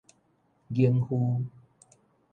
研烌